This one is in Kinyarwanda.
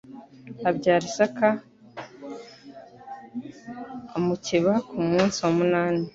abyara isaka amukeba ku munsi wa munani